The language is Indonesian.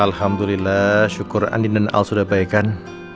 alhamdulillah syukur andin dan al sudah baikan